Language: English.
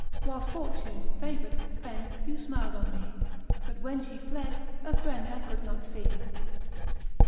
Whilst fortune favour'd, friends, you smil'd on me, But when she fled, a friend I could not see.